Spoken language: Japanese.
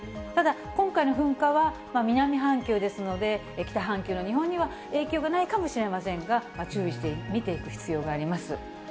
ただ、今回の噴火は南半球ですので、北半球の日本には影響がないかもしれませんが、注意して見ていく必要があります。